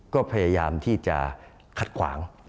ก็พยายามที่จะขัดขวาง